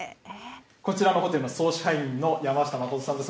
こちらのホテルの総支配人の山下誠さんです。